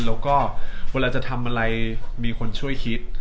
แล้วก็เวลาจะทำอะไรมีคนช่วยคิด